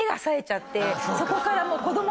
そこから。